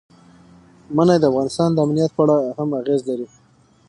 منی د افغانستان د امنیت په اړه هم اغېز لري.